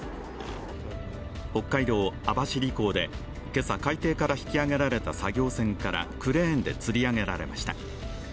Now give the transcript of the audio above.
北海道・網走港で今朝、海底から引き揚げられた作業船からクレーンでつり上げられました。